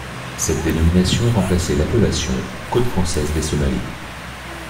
Cette dénomination remplaçait l'appellation Côte française des Somalis.